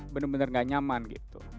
benar benar gak nyaman gitu